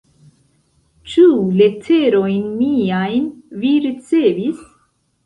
Ĉu leterojn miajn vi ricevis?